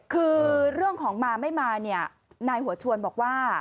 คือเรื่องของมาไม่มาเนี่ยนายหัวชวนบอกว่า